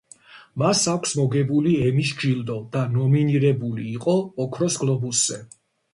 მას აქვს მოგებული ემის ჯილდო და ნომინირებული იყო ოქროს გლობუსზე.